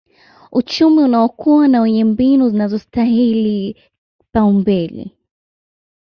uchumi unaokua na wenye mbinu zinazostahili kupaumbele